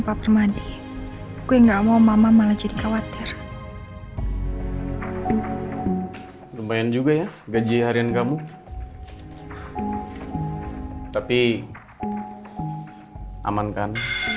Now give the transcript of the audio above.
pak permadi gue nggak mau mama malah jadi khawatir lumayan juga ya gaji harian kamu tapi aman kan